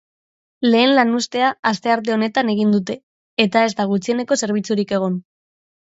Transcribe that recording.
Lehen lanuztea astearte honetan egin dute, eta ez da gutxieneko zerbitzurik egon.